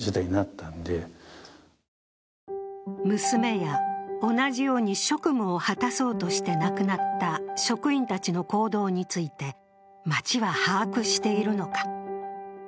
娘や、同じように職務を果たそうとして亡くなった職員たちの行動について町は把握しているのか。